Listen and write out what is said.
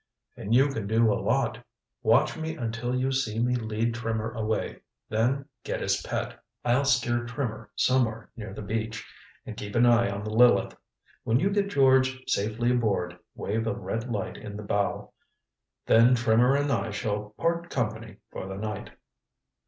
"And you can do a lot. Watch me until you see me lead Trimmer away. Then get his pet. I'll steer Trimmer somewhere near the beach, and keep an eye on the Lileth. When you get George safely aboard, wave a red light in the bow. Then Trimmer and I shall part company for the night."